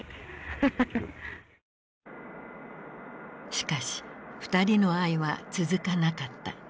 しかし二人の愛は続かなかった。